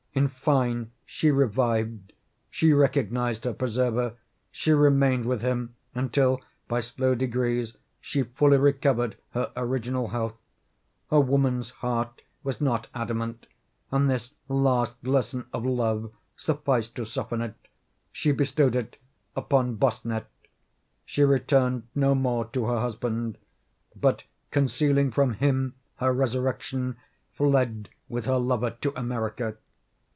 In fine, she revived. She recognized her preserver. She remained with him until, by slow degrees, she fully recovered her original health. Her woman's heart was not adamant, and this last lesson of love sufficed to soften it. She bestowed it upon Bossuet. She returned no more to her husband, but, concealing from him her resurrection, fled with her lover to America.